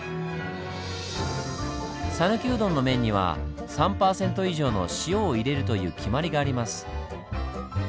さぬきうどんの麺には３％以上の塩を入れるという決まりがあります。